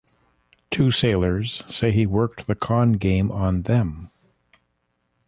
Two sailors say he worked the ‘con’ game on them.